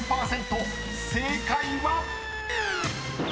［正解は⁉］